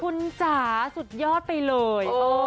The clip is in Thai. คุณจ๋าสุดยอดไปเลย